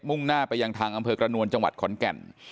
่งหน้าไปยังทางอำเภอกระนวลจังหวัดขอนแก่น